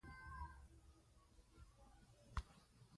د دغه پېښو په اړه د فکري ، سمتي